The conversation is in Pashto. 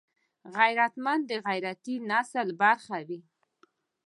غیرتمند د غیرتي نسل برخه وي